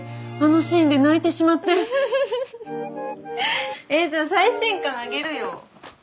ンフフフフえっじゃあ最新刊あげるよ。